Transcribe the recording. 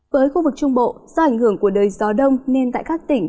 với khu vực trung bộ do ảnh hưởng của đời gió đông nên tại các tỉnh